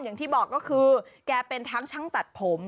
อย่างที่บอกก็คือแกเป็นทั้งช่างตัดผม